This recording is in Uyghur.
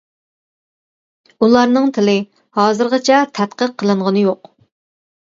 ئۇلارنىڭ تىلى ھازىرغىچە تەتقىق قىلىنغىنى يوق.